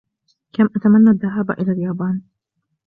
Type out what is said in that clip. كَم أتمنّى الذهاب إلى اليابان.